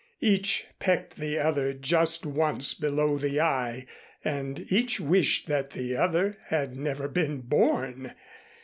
Each pecked the other just once below the eye and each wished that the other had never been born.